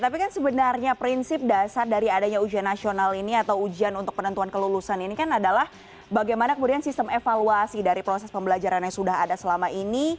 tapi kan sebenarnya prinsip dasar dari adanya ujian nasional ini atau ujian untuk penentuan kelulusan ini kan adalah bagaimana kemudian sistem evaluasi dari proses pembelajaran yang sudah ada selama ini